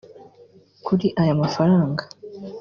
Kuri aya mafaranga